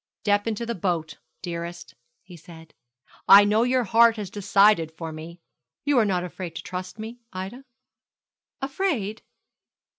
'Step into the boat, dearest,' he said; 'I know your heart has decided for me. You are not afraid to trust me, Ida?' 'Afraid?